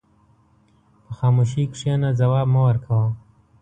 په خاموشۍ کښېنه، ځواب مه ورکوه.